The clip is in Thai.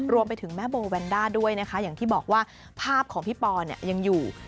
รวมไปถึงแม่โบแวนด้าด้วยนะคะอย่างที่บอกว่าภาพของพี่ปอเนี่ยยังอยู่